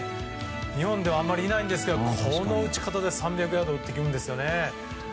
日本ではあまりいないんですけどこの打ち方で３００ヤード打ってくるんですよね。